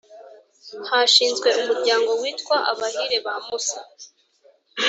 Hashinzwe Umuryango witwa Abahire ba musa